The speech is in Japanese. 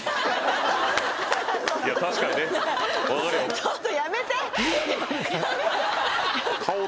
ちょっとやめて！